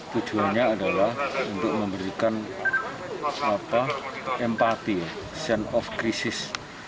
tujuannya adalah untuk memberikan empati sense of crisis